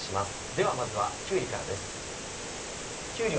ではまずはきゅうりからです。